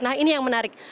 nah ini yang menarik